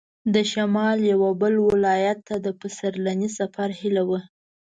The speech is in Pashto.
د شمال یوه بل ولایت ته د پسرلني سفر هیله وه.